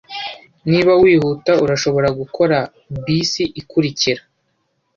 Niba wihuta, urashobora gukora bisi ikurikira.